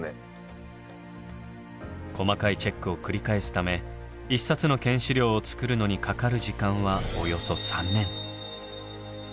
細かいチェックを繰り返すため１冊の県史料を作るのにかかる時間はおよそ３年。